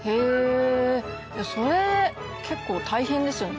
それ結構大変ですよね